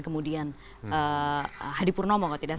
kemudian hadi purnomo